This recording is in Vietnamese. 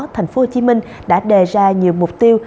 tp hcm đã đề ra nhiều mục tiêu